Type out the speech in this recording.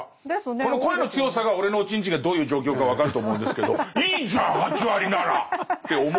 この声の強さが俺のおちんちんがどういう状況か分かると思うんですけどいいじゃん８割なら！って思うわけです。